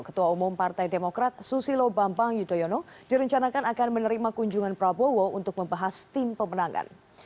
ketua umum partai demokrat susilo bambang yudhoyono direncanakan akan menerima kunjungan prabowo untuk membahas tim pemenangan